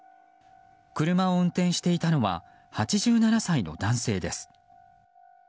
車を運転していたのは８７歳の男性です。